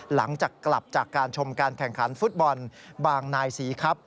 หลังจากกลับจากการชมการแข่งขันฟุตบอลบางนายศรีครับ